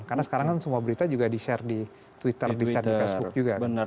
karena sekarang kan semua berita juga di share di twitter di share di facebook juga